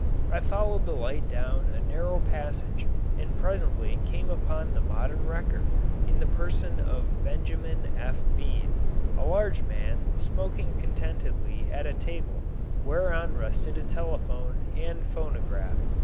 I followed the light down a narrow passage, and presently came upon the modern wrecker, in the person of Benjamin F. Bean, a large man smoking contentedly at a table whereon rested a telephone and phonograph.